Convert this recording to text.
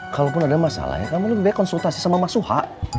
kalaupun ada masalah ya kamu lebih baik konsultasi sama mas suha